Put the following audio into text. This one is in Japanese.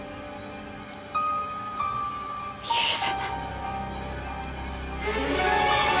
許さない。